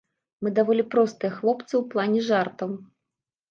Мы даволі простыя хлопцы ў плане жартаў.